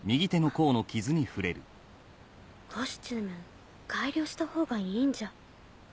コスチューム改良したほうがいいんじゃ。